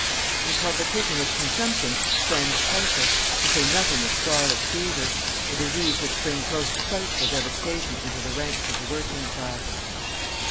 In competition with consumption stands typhus, to say nothing of scarlet fever, a disease which brings most frightful devastation into the ranks of the working class.